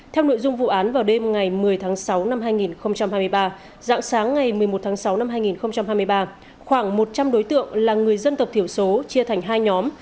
theo nội dung vụ án vào đêm ngày một mươi tháng sáu năm hai nghìn hai mươi ba dạng sáng ngày một mươi một tháng sáu năm hai nghìn hai mươi ba khoảng một trăm linh đối tượng là người dân tộc thiểu số chia thành hai nhóm